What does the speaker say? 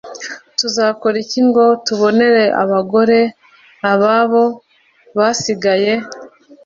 tuzakora iki ngo tubonere abagore ababo basigaye